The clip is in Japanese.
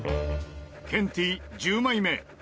ケンティー１０枚目。